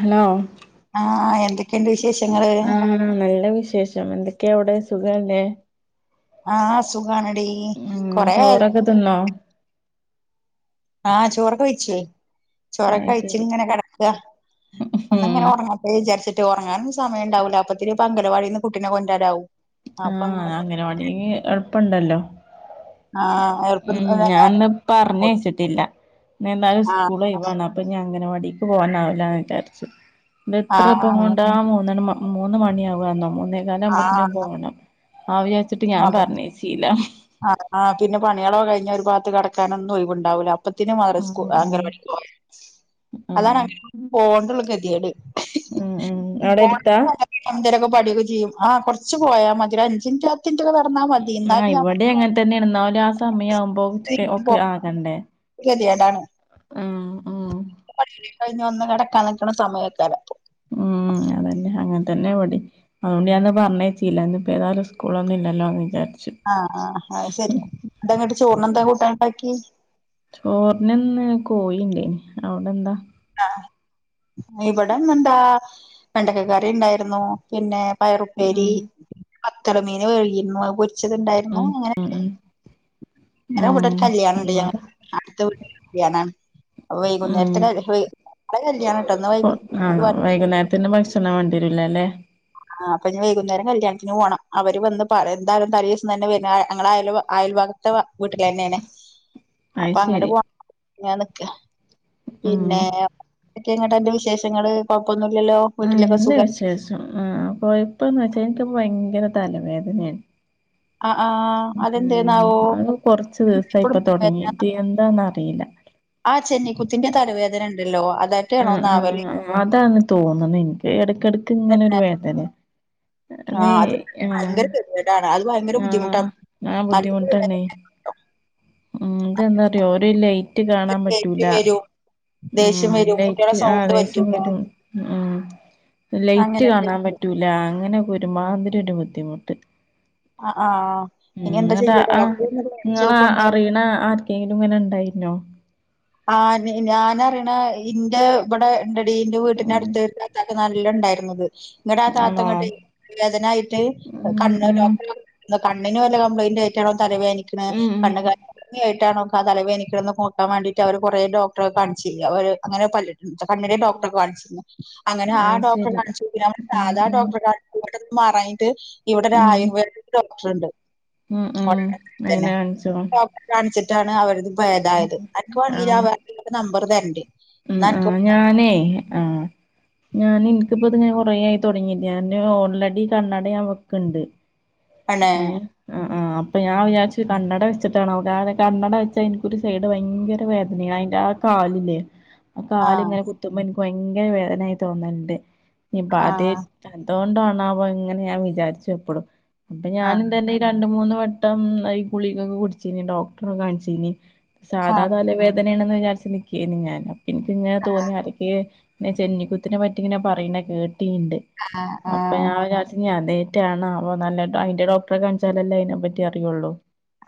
Hello ആഹ് എന്തൊക്കെണ്ട് വിശേഷങ്ങള്? ആഹ് നല്ല വിശേഷം എന്തൊക്കെ അവിടെ സുഖല്ലേ? ആഹ് സുഖാണെടി ഉം ചോറൊക്കെ തിന്നോ? ആഹ് ചോറൊക്കെ വെയ്ചോ ചോറൊക്കെ അയ് കഴിച്ച് ശരി ഇങ്ങനെ കെടക്കാ ഉം ഒന്നിങ്ങനെ ഒറങ്ങും വിചാരിച്ചിട്ട് ഒർങ്ങാനോന്നും സമയം ഇണ്ടാവൂല്ല അപ്പത്തിന് അങ്കലവാടിന്ന് കുട്ടിനെ കൊണ്ടരാനാവും അപ്പൊ അങ്ങനെ ആഹ് അങ്കലവാടിന്ന് എൾപ്പണ്ടല്ലോ ആഹ് എളുപ്പം ഉം ഞാം ഇന്ന് പർഞ്ഞയച്ചിട്ടില്ല ഇന്നെന്തായാലും ആഹ് സ്കൂള് ഒഴിവാണ് അ അപ്പൊ ഇഞ് അങ്കനവാടിക്ക് പോകാനാവുല്ലാന്നു വിചാരിച്ചു ഇത് എത്ര ആഹ് [unintelligible] ട്ടാ മൂന്ന് മൂന്ന് മണിയാവന്നോ മൂന്നേ കാലാവുമ്പോത്തിന് ആഹ് പോണം അഹ് വിചാരിച്ചിട്ട് ഞാൻ അതന്നെ പർഞ്ഞയച്ചീല ആഹ് ആഹ് പിന്നെ പണികളോ കഴിഞ്ഞാ ഒരു പാത്ത് കിടക്കാനൊന്നും ഒഴിവുണ്ടാവില്ല പ്പത്തിന് ഉം മദ്രസ് ഉം അങ്കണവാടി പോയാ ഉം അതാണ് അംങ്കണവാടി പോകണ്ടുള്ളത് ഗതിയേട് ഉം [unintelligible] ഉം അവിടെ എടുത്താ എന്തേലുവൊക്കെ പഠിക്കുവേം ചെയ്യും ആഹ് കൊറച്ച്പോയാ മതി ഒരു അഞ്ച് മിനിറ്റ് പ ത്ത് മിനിറ്റൊക്കെ നടന്നാമതി ആഹ് ഇവിടെം അങ്ങനെ തന്നെയാണ് എന്നാലും ആ സമയം ആവുമ്പോ ഒക്കെ ആകണ്ടേ ഗതിയേടാണ് ഉം ഉം പണി കഴിഞ്ഞൊന്ന് കിടക്കാൻ നിക്കണ സമ്മയിക്കേല്ല ഉം അതന്നെ അങ്ങനെ തന്നെയാ ഇവിടെ അതുകൊണ്ട് ഞാനിന്ന് പറഞ്ഞേയച്ചീല്ല ഇന്നാ ഇപ്പോ ഏതായാലും സ്കൂളൊന്നുവില്ലല്ലോ എന്ന് വിചാരിച്ച് ആഹ് ആഹ് അത് ശെരി അങ്ങട്ട് ചോറിന് എന്താ കൂട്ടാൻ ഉണ്ടാക്കി ചോറിനിന്ന് കോയിയുണ്ടായിന് അവിടെ എന്താ? ആഹ് ഇവിടിന്ന് എന്താ വെണ്ടക്കക്കറിയുണ്ടായിരുന്നു പിന്നെ പയറുപ്പേരി ഉം പത്തല മീൻ വഴുകിയിരുന്നു അത് പൊരിച്ചതുണ്ടായി ഉം ഉം ഉം ഇന്ന് ഇവിടൊരു ഉം കല്യാണുണ്ട് ഞങ്ങ ഇവിടെ അടുത്ത വീട്ടിലെ കല്യാണാണ് അപ്പം ഉം വൈകുന്നേരത്തിന് ഇവിടെ കല്യാണട്ടോ ഇന്ന് വൈകു [unintelligible] ഇന്ന് ഭക്ഷണം വേണ്ടിവരൂല അല്ലേ ആഹ് അപ്പം ഇന്ന് വൈകുന്നേരം കല്യാണത്തിന് പോണം അവര് വന്ന് പറ എന്തായാലും തലേ ദിവസം തന്നെ വരാൻ ഞങ്ങള് അയലുവ അയൽവ ത്ത വീട്ടില് തന്നെയാണ് അത് അപ്പൊ അങ്ങട് ശരി പോവാ ഞാൻ നിക്കുവാ ഉം പിന്നെ ക്കെ ഇങ്ങോട്ടെന്റ് വിശേഷങ്ങള് കൊഴപ്പൊന്നു ഇല്ലല്ലോ നല്ല വിശേഷം ആഹ് കൊഴപ്പോന്ന് വെച്ചാ എനിക്ക് ഇപ്പം ഭയങ്കര തലവേദനയാണ് ആഹ് ആഹ് ഉം അതെന്തേന്നാവോ ഇപ്പളും വേദനയാ എന്താന്ന് അറിയില്ല ആഹ് ചെന്നിക്കുത്തിന്റെ തലവേദന ഉണ്ടല്ലോ അതാ ഉ. ഉം അതാന്ന് തോന്നുണ് എനിക്ക് എടക്കെടക്ക് ഇങ്ങനെ ഒരു വേദനയ അതെ ആഹ് അത് ആഹ് ഭയങ്കര ഗതികേടാണ് അത് ഭയങ്കര ആഹ് ബുദ്ധിമുട്ടാണ് ആഹ് നല്ല ബുദ്ധിമുട്ടാണേ ഉം ഇതെന്താ അറിയോ ഒര് ലൈറ്റ് കാണാൻ പറ്റൂല ദേഷ്യം വരും ദേഷ്യം ആഹ് വരും കുട്ടികളെ ലൈറ്റ് ആഹ് സൗണ്ട് ദേഷ്യം പറ്റൂല വരും ഉം ലൈറ്റ് അങ്ങനെയൊക്കെ കാണാൻ പറ്റൂ റ്റൂലാ അങ്ങനൊക്കെ ഒരുമാതിരി ഒരു ബുദ്ധിമുട്ട് അ ആഹ് ഉം ഇനി എന്താ ചെയ്യാ ഡോക്ടറിനൊക്കെ കാണിച്ചോ കൊണ്ടോ റീണാ ആർക്കെങ്കിലും ഇങ്ങനെ ഉണ്ടായിന്നോ ആന്ന് ഞാൻ അറിയണ ഇന്റെ ഇവിടെ ഇണ്ടെടി എൻ്റെ ഉം വീട്ടിനടുത്ത് താത്താക്ക് നല്ല ഉണ്ടായിരുന്നത് ഇങ്ങട് ആഹ് താത്ത ആണോ ഇങ്ങോട്ട് വേദനായിട്ട് ഉം കണ്ണ് ഉം ഡോക്ട്റ് കണ്ണിന് വല്ല കംപ്ലയിന്റും ആയിട്ടാണോ തലവേനിക്ക്ണ് ഉം ഉം കണ്ണ് ക ഞ്ഞിയായിട്ടാണോ തലവേദനിക്ക്ണ് നോക്കാൻ വേണ്ടി ട്ട് അവര് കൊറേ ഡോക്ടറെ കാണിച്ചില്ല ഓര് അങ്ങനെ പല്ല് കണ്ണിനെ ഡോക്ട്റെ കാണിച്ചിരുന്നു അങ്ങനെ അത് ആഹ് ഡോക്ട്റെ ശരി കാണിച്ചു പിന്നെ അവര് ഉം സാധാ ഉം ഡോക്ട്റെ കാണിച്ചു ആവർക്കത് മാറാഞ്ഞിട്ട് ഇവിടെ ഒരു ഉം ആയുർവേദ ഡോക്ട്റുണ്ട് ഉം ഉം അങ്ങനെ കാണിച്ചോ ഡോക്ടറെ കാണിച്ചിട്ടാണ് അവരുത് ഭേദായത് അനക്കുവാണെങ്കിൽ ആ ആഹ് [unintelligible] നമ്പറ് തര്ണ്ട് ഉം ആഹ് ഞാനേ ആഹ് ഞാന് എനിക്കിപ്പം ഇതിങ്ങനെ കൊറെയായി തുടങ്ങീട്ട് ഞാന് ഓൾറെഡി കണ്ണട ഞാൻ വെക്കുണ്ട് പിന്നെ ഏഹ് ആഹ് ആഹ് അപ്പം ഞാൻ വിചാരിച്ചു കണ്ണട വെച്ചിട്ടാണാവൊ കാരണം കണ്ണട വെച്ചാ എനിക്കൊരു സൈഡ് ഭയങ്കര വേദ ഇനി അയിൻ്റെ ആഹ് കാലില്ലേ ആഹ് കാല് ഇങ്ങനെ കുത്തുമ്പം എനിക്ക് ഭയങ്കര വേദനയായി തോന്നുണ്ട് ഇനിപ്പാദ്യാ ആഹ് അത്കൊണ്ടാണാവോ ഇങ്ങനെ ഞാൻ വിചാരിച്ചു എപ്പളും അപ്പം ഞാനും ആഹ് തന്നെ രണ്ട് മൂന്ന് വെട്ടം ഈ ഗുളികക്കൊ കുടിച്ചീന് ഡോക്ടറെ കാണിച്ചീന് സാദാ ആഹ് തലവേ ദനെയാണെന്ന് വിചാരിച്ച് നീക്കേനി ഞാന് അപ്പം ഇനിക്ക് ഇങ്ങനെ തോന്നി ആരെക്കെ [unintelligible] ചെന്നിക്കുത്തിനെ പറ്റിങ്ങനെ പറയ്ണ കേട്ടീണ്ട് ആഹ് അപ്പം ആഹ് ഞാൻ വിചാരിച്ച് ഇനി അതേ റ്റാണാവോന്ന്ഞ്ഞാട്ട് അയിന്റെ ഡോക്ട്റെ കാണിച്ചാലല്ലേ അയിനെ പറ്റി അറിയൊള്ളൂ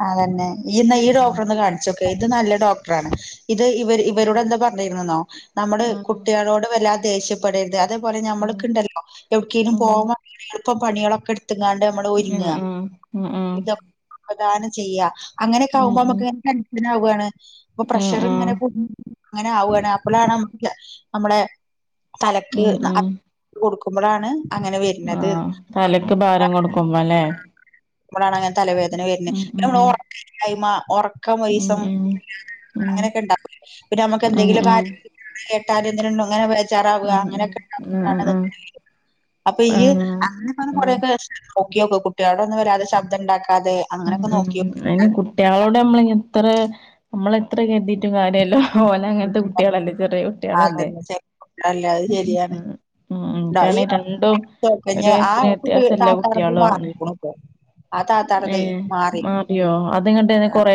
അതന്നെ ഇയ്യ്ന്നാ ഈ ഡോക്ടറൊന്ന് കാണിച്ചോക്ക് ഇത് നല്ല ഡോക്ടറാണ് ഇത് ഇവര് ഉം ഇവരോട് എന്താ പറഞ്ഞാരിന്ന്ന്നോ നമ്മള് കുട്ട്യേളോട് വല്ലാ ദേഷ്യ പ്പെടര്ത് അതേപോലെ ഉം ഞമ്മള്ക്ക്‌ണ്ടല്ലോ എവ്ട്ക്കേലും ഉം പോവാൻ [inaudible] എള്പ്പം പണ്യേളോക്കെ എട്ത്ത്ങ്ങാണ്ട് നമ്മള് ഉം ഉം ഒര്ങ്ങാ ഉം ഉം ഇതൊ സാവധാനം ചെയ്യാ ഉം ഉം അങ്ങനെയൊക്കാവുമ്പം നമക്ക് ടെൻഷനാവാണ് അപ്പം ഉം പ്രഷറ്ങ്ങനെ കൂട് [inaudible] അങ്ങനാവാണ് അപ്പളാണ് നമക്ക് നമ്മളെ തലക്ക് ഉം ഉം അ ഉം [inaudible] കൊട്ക്കുമ്പളാണ് ആഹ് തലക്ക് ഭാരം കൊടുക്കുമ്പലേ അപ്പളാണ് അങ്ങനെ തലവേദന വര്ണെ പിന്നെ ഉം നമ്മളെ ഒറക്ക്‌ ഇല്ലായ്മ ഒറ ക്കം ഉം ഉം [unintelligible] ഉം അങ്ങനെയൊക്കെ ഇണ്ടാവൂലേ പിന്നെ ഉം ഉം നമ്മുക്കെന്തെങ്കിലൊക്കെ ഉം [unintelligible] എന്ത് കേട്ടാല് [unintelligible] അങ്ങനെ വേജാറാവ ഉം ഉം അങ്ങനൊക്കെ ഉം ഇണ്ടാവുമ്പളാണത് [inaudible] ഉം അപ്പം ഇയ്യ് ഉം അന്ന് ഉം പറഞ്ഞപോലെക്കെ നോക്കിയോക്ക് കുട്ട്യേളോടൊന്നും വല്ലാതെ ശബ്ദം ഇണ്ടാക്കാതെ ഉം അങ്ങനൊക്കെ ഉം നോക്കിയോക്ക് അയിന് കുട്ട്യേളോട് നമ്മള്ഞ്ഞ് എത്രേ നമ്മളെത്ര കര്തീറ്റും കാര്യല്ല ഓല് അങ്ങനെത്തെ കുട്ട്യേള്ല്ലേ ചെറിയ കുട്ട്യേളല്ലേ അതന്നെ ശരിയല്ല അത് ശരിയാണ് ആഹ് ആഹ് ഈ ഇൻക്ക്യാണെ രണ്ടും ഒര് കഴിഞ്ഞ് ആ വയസ്സിന് കുട്ടി വ്യത്യാസല്ലേ താത്താർത് കുട്ട്യേളു ആണ് മാറിക്കുണു ഇപ്പൊ ആ താത്താർതെ ഏഹ് മാറി മാ യ്യോ അത്ങ്ങട്ടെന്നെ കൊറേ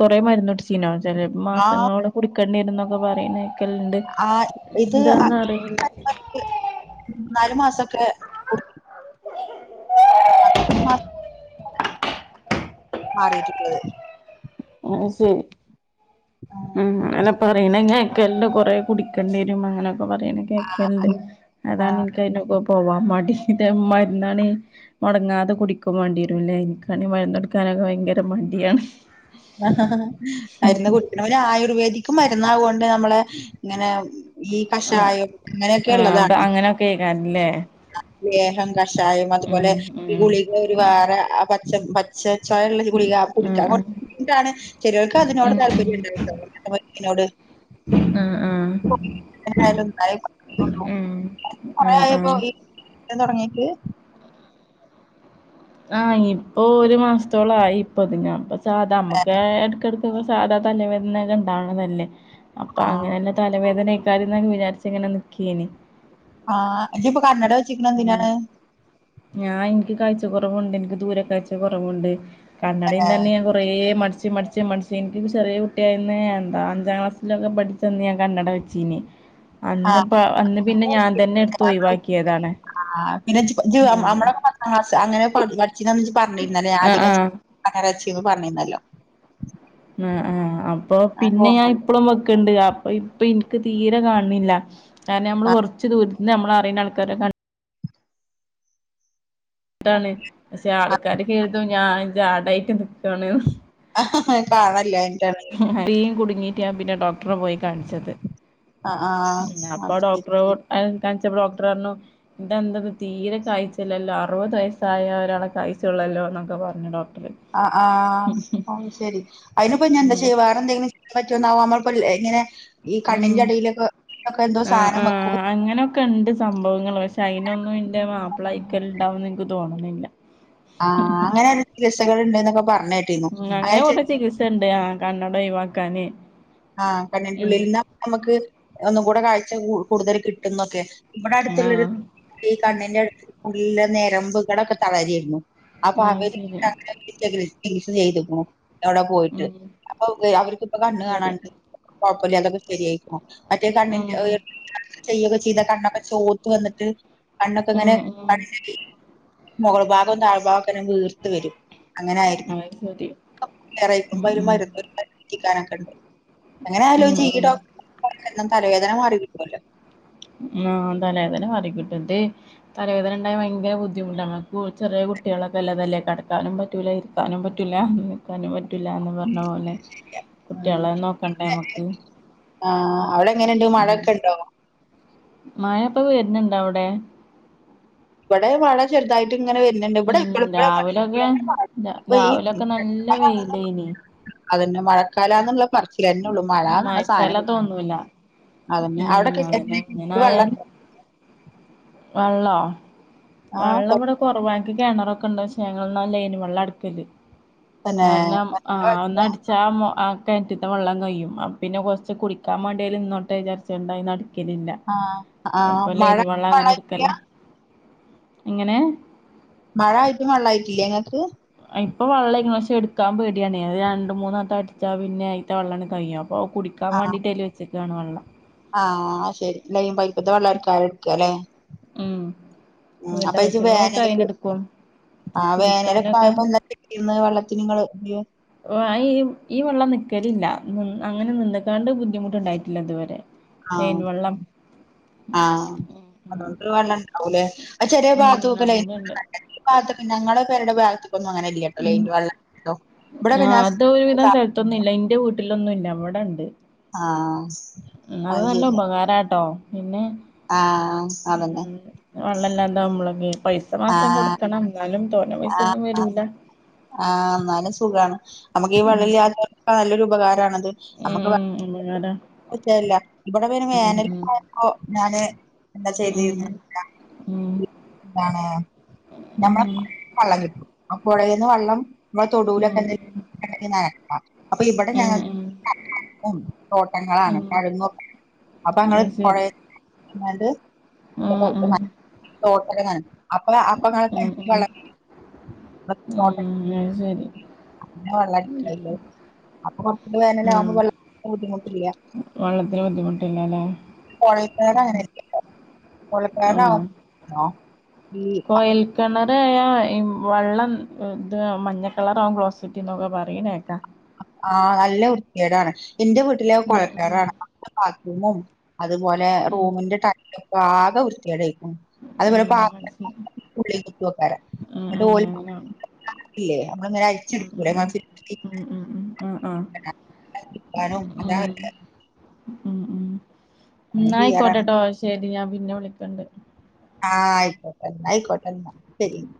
കൊറേ മര്ന്നുടിച്ചീനോ ചെലേപ്പം ആ മാസങ്ങളോളം കുടിക്കെണ്ട്യരുന്നൊക്കെ പറിണേക്കല്ണ്ട് ആ എന്താന്നാറീല. മൂന്നാല് മാസൊക്കെ കുടിക്കും [unintelligible] മാറിട്ട്ള്ളത് അത് ശെരി മ്മ് ഇങ്ങനെ പറിണ കേക്കല്ണ്ട് കൊറെ കുടിക്കേണ്ട്യരും അങ്ങനോക്കെ പറീണ കേക്കല്ണ്ട് ആ അതാണ് ഇൻ ക്ക്‌ അയിനൊക്കെ പോവാം മടി ഇത് മര്ന്നാണെ മൊടങ്ങാതെ കുടിക്കും വാണ്ട്യരും ലെ ഇൻക്കാണെ മര്ന്നുടിക്കാനൊക്കെ ഭയങ്കര മട്യാണ് മരുന്ന് കുടിക്ക്‌ണോര് ആയുർവേദിക്ക് മര്ന്നാവൊണ്ട് നമ്മള് ഇങ്ങനെ ഈ ആഹ് കഷായം ആഹ് അത് ഇങ്ങനെയൊക്കെള്ളതാണ്. അങ്ങനൊക്കെ കേക്കാറില്ലേ ലേഹം കഷായം അത്പോലെ ഉം ഈ ഉം ഗുളിക ഒരു ഉം വേറെ ആ പച്ച പ ച്ച ചോയള്ളോര് ഗുളിക കുടിക്കാ ആഹ് കൊ ആഹ് ബുദ്ധിമുട്ടാണ് ചെലോല്ക്ക് അതിനോട് ഉം താല്പര്യണ്ടാവുട്ടോ ഇങ്ങന്ത്തെ മര്ന്നിനോട്. ആഹ് ആഹ് [unintelligible] പറ്റോള്ളൂ ഉം കൊറെ ആഹ് ആയപ്പൊ ആഹ് ഈ തെടങ്ങീട്ട് ആഹ് ഇപ്പോ ഒരു മാസ്ത്തോളായി ഇപ്പത് ഞാൻപ്പ സാധാ നമ്മക്ക്‌ എട്ക്കെട് ക്ക്‌ സാധാ തലവേദനക്കെ ഇണ്ടാവ്ണതല്ലേ അപ്പൊ ആ അങ്ങനെന്നെ തലവേദനെക്കാരന്നോക്കെ വിചാരിച്ചങ്ങനെ നിക്കേനി. ആഹ് ഇജ്ജ് ഇപ്പൊ കണട വെച്ചിക്ക്ണെ ഉം എന്തിനാണ് ഞാൻ ഇനിക്ക് കാഴ്ച കൊറവ്ണ്ട് എനിക്ക് ദൂരെ കാഴ്ച്ച കൊറവുണ്ട് കണടി തന്നെ ഞാൻ കൊ റേ മടിച്ച് മടിച്ച് മടിച്ച് എനിക്ക് ചെറിയ കുട്ട്യായന്ന് എന്താ അഞ്ചാം ക്ലാസ്സിലൊക്കെ പഠി ച്ചന്ന് ഞാൻ കണ്ണട വെച്ചീനി അന്ന്പ്പ അന്ന് പിന്നെ ഞാൻ തന്നെ എട്ത്ത് ആ ഒഴിവാക്കിയതാണ്. ആഹ് പിന്നെ ഇജ്ജ്പ്പ ഇജ്ജ് ഉം അമ്മളോക്കെ പ ത്താം ക്ലാസ് അങ്ങനെ പഠി പഠിച്ചീനന്ന് പറഞ്ഞിര്ന്നല്ലോ ഞാൻ ആഹ് ആദ്യക്കെ ആഹ് [inaudible] കണ്ണട വെച്ചീന്നു പറ്ഞ്ഞീന്നല്ലോ. ഉം ആഹ് അപ്പൊ അനക്ക് പിന്നെ ഞാൻ ഓർമ്മണ്ട് ഇപ്പളും വെക്ക്ണ്ട് അപ്പൊ ഇ പ്പ ഇൻക്ക് തീരെ കാണ്ന്നില്ല കാരണം നമ്മള് കൊറച്ച് ദൂരത്ത്ന്ന് നമ്മളെ അറീണെ ആൾക്കാരെ ക ട്ടാണ് പക്ഷെ ആള്ക്കാര് കേര്തും ഞാൻ ജാടായിട്ട്ട്ക്കാണ്ന്ന് കാണാല്ലയിറ്റാണ് കുടുങ്ങിട്ടെ ഞാൻ പിന്നെ ഡോക്ടറെ പോയി കാണിച്ചത് ആഹ് ആഹ അത് ശരി അഹ് കാണിച്ചപ്പോ ഡോക്ടറഞ്ഞു ഇതെന്തത് തീരെ കാഴ്ചല്ലല്ലോ അറുപത് വയസ്സായ ഒരാളെ കാഴ്ച്ചുള്ളല്ലോ ന്നൊക്കെ പർഞ്ഞു ഡോക്ടർ ആഹ് ആഹ് അഹ് ശെരി അയിനിപ്പ ഇനി എന്താ ഉം ചെയ്യ വേറെ ന്തെങ്കിലും പറ്റോന്നാവോ അമ്മൾ ഇപ്പ ഇങ്ങനെ ഈ കണ്ണിന്റെ ഉം അടിലൊക്കെ ക്കെ എന്തോ ആഹ് സാനം വെക്കും ആഹ് അങ്ങനൊക്കെണ്ട് സംഭവങ്ങൾ പക്ഷെ അയിനോന്നും ഇന്റെ മാപ്പിളായിക്കൽ ഇണ്ടാവുംന്ന് ഇൻക്ക് തോന്നുന്നില്ല ആഹ് അങ്ങനെള്ള ചികിസകൾ ഇണ്ട്ന്നൊക്കെ പറ്ഞ്ഞ് അങ്ങനെ കൊറേ ചികിത്സണ്ട് ആഹ് കണ്ണട ഒഴിവാക്കാന് ആഹ് ഉം കണ്ണിന്റുള്ളിൽ ഇന്നാ അമ്മക്ക് ഒന്നും കൂടെ കാഴ്ച കൂടുതൽ കിട്ടുംന്നൊക്കെ ഇവ്ടെ അടുത്ത്ള്ളരു ആഹ് ഈ കണ്ണിന്റെ അടുത്ത് കൂടി ഉള്ള നരമ്പുകളൊക്കെ തളരെയിരുന്നു അപ്പൊ അത് അവര് ശരി [unintelligible] ചെയ്തുക്കുണു എവിടെ പോയിട്ട് ഉം അപ്പൊ അവർക്ക്പ്പ അത് കണ്ണ് കാണാ ശരി കൊഴപ്പല്ലാതൊക്കെ ശരിയായിക്കുണു മറ്റേ കണ്ണീന്റെ ഉം ഏഹ് [unintelligible] ചെയ്യൊക്കെ ചെയ്താ കണ്ണൊക്കെ ചോത്ത് വന്നിട്ട് കണ്ണൊക്കെ ഇങ്ങനെ ഉം ഉം കലങ്ങി മൊകൾ ഭാഗം താഴ്ഭാഗോക്കെ ഇങ്ങനെ വീർത്ത് വരും അങ്ങനെയായിരുന്നു അത് ശരി ഇപ്പൊ [unintelligible] ഉം ഇപ്പൊ ഉം മരുന്ന് പെര്ട്ടിക്കാനെക്കണ്ട് അങ്ങനെ ഉം ആലോചിച്ചാ ഈ ഉം ഡോക്ടർമാർക്കെല്ലാം തലവേദന മാറി കിട്ടുവല്ലോ ആഹ് തലവേദന മാറി കിട്ടും ഇത് തലവേദന ഇണ്ടായാ ഭയങ്കര ബുദ്ധിമുട്ടാണ് നമ്മക്കും ചെറിയ കുടട്ട്യാളൊക്കെ ഇള്ളതല്ലേ കെടക്കാനും പറ്റൂല ഇരിക്കാനും ക്കാനും പറ്റൂലാ നിക്കാനും പറ്റൂലാന്ന് പറഞ്ഞ പോലെ കുട്ടികളെ നോക്കണ്ടേ നമ്മക്ക് ആഹ് ആഹ് അവിടെ എങ്ങനെണ്ട് മഴൊക്കെ ഉണ്ടോ മാഴ ഇപ്പ വെര്ന്ണ്ട് അവ്ടെ ഇവടെ മഴ ചെറുതായിട്ട് ഇങ്ങനെ വരുന്നുണ്ട് ഇവിടെ ഉം രാവിലൊക്കെ രാ- രാവിലൊക്കെ നല്ല [unintelligible] വെയിലേനി അതന്നെ മഴക്കാലാന്നുള്ള പറചി ലെന്നൊള്ളു മഴ പറഞ്ഞ സാധനം മഴക്കാലം തോന്നൂല അതന്നെ ഉം അവിടൊക്കെ എങ്ങനെ അതന്നെ ഇങ്ങനെ വെള്ളം ആയാൽ ഇണ്ടോ വെള്ളോ ആ വെള്ളം ഇവിടെ കൊറവാ ഞങ്ങക്ക് കിണറൊക്കെ ഉണ്ട് പക്ഷേ ഞങ്ങളെന്നാ ലൈൻ വെള്ളാ ഇടുക്കല് തന്നെ കാരണം ആഹ് ഒന്നടിച്ചാ ആ കിണറ്റിത്തെ വെള്ളം കഴിയും അപ്പൊ പിന്നെ കൊറച്ച് കുടിക്കാൻ വേണ്ട്യേലും നിന്നോട്ട് വിചാരിച്ച് ങ്ങാണ്ട് അയിന്ന് അടിക്കലില്ല ആ ആ അപ്പൊ മഴ ലൈൻ വെള്ളം അങ്ങനെ എട് വെള്ളായിട്ടില്ല ക്കലാ എങ്ങനെ മഴ ആയിട്ടും വെള്ളായിട്ടില്ലേ ഇങ്ങക്ക് ഇപ്പം വെള്ളം ആയിക്ക്ണ് പഷെ എടുക്കാൻപേടിയാണ് അത് രണ്ട് മൂന്ന് വെട്ടം അടിച്ചാ പിന്നെ അയിത്ത വെള്ളണ്ട് കഴിയും അപ്പ കുടിക്ക്‌ ക്കാൻ വേണ്ടിയിട്ട് അയിൽ വെച്ചെക്കയാണ് വെള്ളം ആഹ് അത്‌ ശെരി ലൈൻ പൈപ്പ്ത്തെ വെള്ളം ആയിക്കാരം ഇട്ക്കലെ ഉം ഉം അപ്പ ഇജി വീട്ടാവശ്യങ്ങൾക്കൊക്കെ വേനലക്ക് അയിന്നെടുക്കും ആഹ് വേനലൊക്കെ കുടിക്കാനൊക്കെ ആയപ്പോ ന്താ ചെയ്തീന്ന് വെള്ളത്തിന് ഇങ്ങള് ഉപയോ ഓഹ് അയി ഈ വെള്ളം നിക്കലില്ല അങ്ങനെ നിന്ന്ക്കാണ്ട് ബുദ്ധിമുട്ടുണ്ടായിട്ടില്ല ഇതുവരെ ലൈൻ വെള്ളം ആ ആഹ് ഉം അതുകൊണ്ട് വെള്ളം ഇണ്ടാവൂല്ലേ ആ ചെലയ ഉം ഉം ഭാഗത്തൊക്കെ ലൈൻ അതുകൊണ്ട് ഇണ്ട് [unintelligible] ഈ ഭാഗത്തൊക്കെ ഞങ്ങളുടെ പേരെടെ ഭാഗത്ത്ക്കൊന്നും അങ്ങനെല്ല ഉം ലൈൻ വെള്ളം ആ ഇവിടൊക്കെ ഞാൻ അത് ഒരുവിധം സ്ഥലത്തൊന്നും [unintelligible] ഇല്ല ഇന്റെ വീട്ടിലൊന്നും ഇല്ല ഇവടെ ഇണ്ട് ആഹ് ഉം അത് നല്ല ഉപകാരാട്ടോ പിന്നെ ആഹ് അതന്നെ ഉം വെള്ളം ഇല്ലാണ്ടാകുമ്പോഴൊക്കെ പൈസ മാസം ആഹ് കൊടുക്കണം എന്നാലും തോനെ പൈസ ആഹ് ഒന്നും ആഹ് വരൂല്ല ആഹ് ഇന്നാലും സുഖാണ് നമ്മുക്ക് ഈ ഉം വെള്ളമില്ലാത്തവർക്കൊക്കെ നല്ലൊരു ഉപകാരണത് ഉം നമുക്ക് ഉം, ഉപകാരാ [unintelligible] ഇവിടെ പിന്നെ ഉം ഉം വേനൽക്കാലം ഞാന് [unintelligible] എന്താ ഉം ചെയ്തെന്ന് ഉം [unintelligible] എന്താണ് നമ്മള ഉം വള്ളം കിട്ടും ആഹ് പുഴേന്ന് വെള്ളം ഇമ്മടെ തൊടൂലൊക്കെ ഉം എന്തേലും ഉണ്ടെങ്കി നിക്കത്താം അപ്പ ഇവിടെ ഉം ഞങ്ങ ഉം തോട്ടങ്ങളാണ് ഉം കിഴങ്ങൊക്കെ അപ്പൊ അങ്ങള് അത് ശരി പുഴേ എന്നത് ഉം ഉം തോട്ടക്കൊ നന അപ്പളേ അപ്പം ഉം ഉം [unintelligible] ഉം അത് [unintelligible] ശരി ഉം അപ്പൊ കുറച്ചൂടി ആ വേനലാവുമ്പോ വെള്ളത്തിനു ബുദ്ധിമുട്ടില്ല വെള്ളത്തിന് ബുദ്ധിമുട്ടില്ലല്ലേ കൊഴൽകിണർ ഉം അങ്ങനെ അല്ലെയോ കൊഴലക്കിണർ ആന്നോ കോയിൽ കിണറായാൽ ഈ വെള്ളം ഇത് മഞ്ഞ കളറ ആകും ഗ്ലോസ്സെറ്റ് എന്നൊക്കെ പറയ്ന്ന കേക്കാം ആഹ് നല്ല വൃത്തികേടാണ് എന്റെ വീട്ടിലെ കൊഴൽ ഉം കിണറാണ് അവിടത്തെ ബാത്ത് റൂമും അതുപോലെ ഉം ഉം റൂമിന്റെ ടൈലൊക്കെ ആകെ വൃത്തികേടായിരിക്കും ഉം അതുപോലെ മനസ്സി പത്രങ്ങളൊക്കെ [unintelligible] ഉം എന്നിട്ട്ഓ ഉം അങ്ങനാണ് ല്ലേ നമ്മളിങ്ങനെ ഉം അരിച്ചെടുക്കൂലേ ഉം ഫിൽറ്റർറിന്ന് ഉം ഉം ഉം ആഹ് ആഹ് ക്കാനും അതാ ഉം ഉം ഉം ഉം അങ്ങനെ ചെയ്യാറാണ് എന്നായിക്കോട്ടെട്ടോ ശെരി ഞാൻ പിന്നെ വിളിക്കണ്ട് ആഹ് അയ്ക്കോട്ടെ എന്നായിക്കോട്ടെന്നാ ശരിന്ന